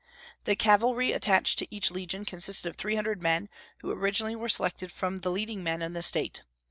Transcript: The cavalry attached to each legion consisted of three hundred men, who originally were selected from the leading men in the State.